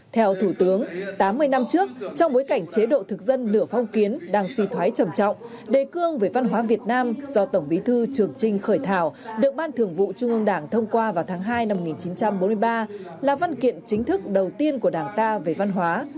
theo thủ tướng tám mươi năm trước trong bối cảnh chế độ thực dân nửa phong kiến đang suy thoái trầm trọng đề cương về văn hóa việt nam do tổng bí thư trường trinh khởi thảo được ban thường vụ trung ương đảng thông qua vào tháng hai năm một nghìn chín trăm bốn mươi ba là văn kiện chính thức đầu tiên của đảng ta về văn hóa